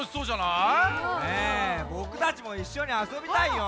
ねえぼくたちもいっしょにあそびたいよ。